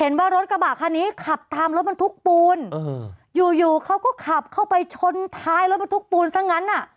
เห็นว่ารถกระบะคันนี้ขับตามรถบรรทุกปูนยู๋เค้าก็ขับเข้าไปชนท้ายรถบรรทุกปูนซักงั้น